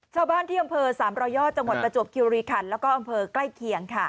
ชาวบ้านที่อำเภอ๓๐๐ยอดจังหวัดประจวบคิวรีคันแล้วก็อำเภอใกล้เคียงค่ะ